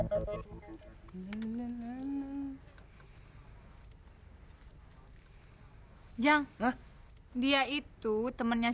tapi goyang mampus semuanya